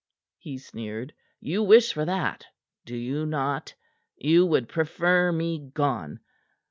he sneered. "You wish for that, do you not? You would prefer me gone?